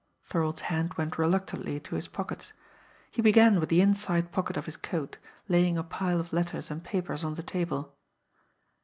Thorold's hand went reluctantly to his pockets. He began with the inside pocket of his coat, laying a pile of letters and papers on the table.